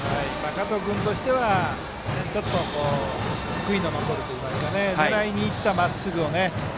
加藤君としてはちょっと悔いの残るといいますか狙いにいった、まっすぐをね。